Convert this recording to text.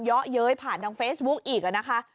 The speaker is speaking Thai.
ย้อเย้ยผ่านทางเฟซบุ๊กอีก